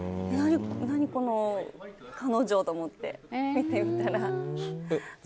何、この彼女って思って見てみたら。